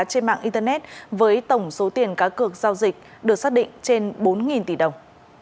trên mạng internet với tổng số tiền cá cược giao dịch được xác định trên bốn tỷ đồng